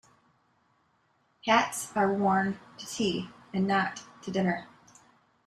Hats are worn to tea and not to dinner.